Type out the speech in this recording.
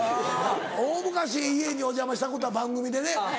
大昔家にお邪魔したことある番組でね。